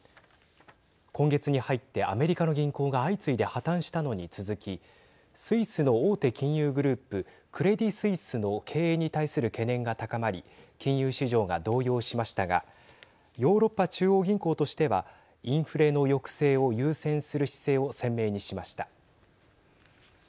今月に入ってアメリカの銀行が相次いで破綻したのに続きスイスの大手金融グループクレディ・スイスの経営に対する懸念が高まり金融市場が動揺しましたがヨーロッパ中央銀行としてはインフレの抑制を優先する姿勢を鮮明にしました。